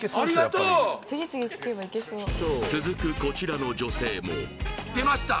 続くこちらの女性も出ました